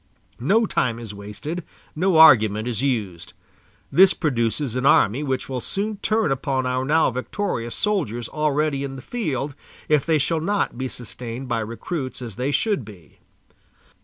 No time is wasted, no argument is used. This produces an army which will soon turn upon our now victorious soldiers already in the field, if they shall not be sustained by recruits as they should be."